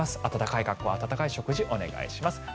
暖かい格好温かい食事お願いします。